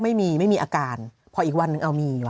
ไม่มีไม่มีอาการพออีกวันหนึ่งเอามีว่